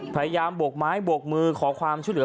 พยายามบกไม้บกมือขอความช่วยเหลือ